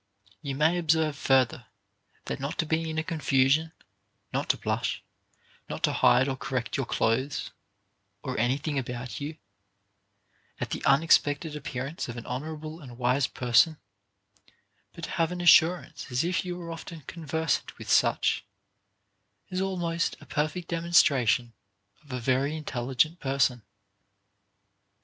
16. You may observe further, that not to be in a con fusion, not to blush, not to hide or correct your clothes or any thing about you, at the unexpected appearance of an honorable and wise person, but to have an assurance as if you were often conversant with such, is almost a perfect demonstration of a very intelligent person.